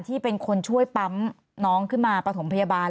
ที่เป็นคนช่วยปั๊มน้องขึ้นมาประถมพยาบาล